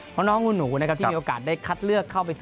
เพราะน้องงูหนูนะครับที่มีโอกาสได้คัดเลือกเข้าไปสู่